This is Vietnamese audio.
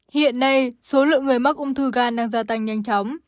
hiện nay số lượng người mắc ung thư gan đang gia tăng nhanh chóng